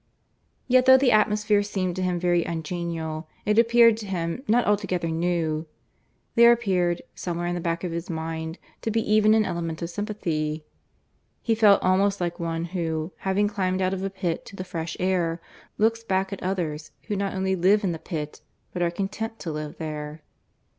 Yet though the atmosphere seemed to him very ungenial, it appeared to him not altogether new; there appeared, somewhere in the back of his mind, to be even an element of sympathy. He felt almost like one who, having climbed out of a pit to the fresh air, looks back at others who not only live in the pit, but are content to live there.